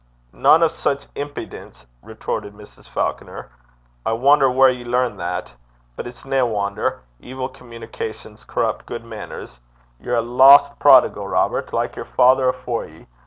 'Nane o' sic impidence!' retorted Mrs. Falconer. 'I wonner whaur ye learn that. But it's nae wonner. Evil communications corrupt gude mainners. Ye're a lost prodigal, Robert, like yer father afore ye.